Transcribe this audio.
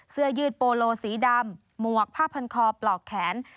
เสื้อยืดโปโลสีดำหมวกผ้าพันคอปลอกแขน